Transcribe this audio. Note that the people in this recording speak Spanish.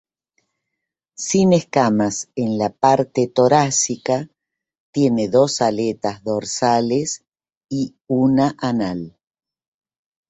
Sin escamas en la parte torácica, tiene dos aletas dorsales y una anal.